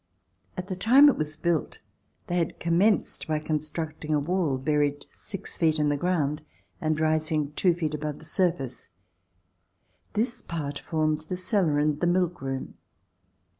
At the time it was built they had commenced by constructing a wall, buried six feet in the ground and rising two feet above the surface. This part formed the cellar and the milk room.